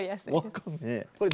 分かんねえ。